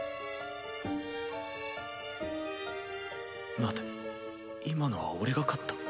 待て今のは俺が勝った？